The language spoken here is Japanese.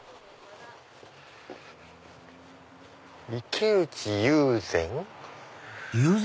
「池内友禅」。